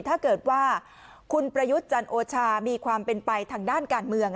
ถ้าเกิดว่าคุณประยุทธ์จันโอชามีความเป็นไปทางด้านการเมือง